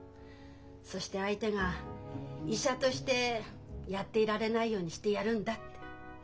そして相手が医者としてやっていられないようにしてやるんだって。